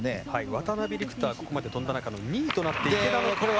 渡部陸太は、ここまで飛んだ中の２位となって池田の。